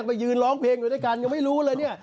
มายืนร้องเพลงอยู่ด้วยกันยังไม่รู้เลยเนี่ย